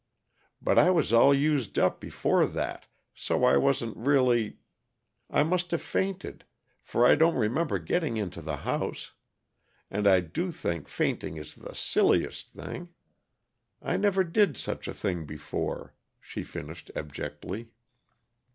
But I was all used up before that, so I wasn't really I must have fainted, for I don't remember getting into the house and I do think fainting is the silliest thing! I never did such a thing before," she finished abjectly.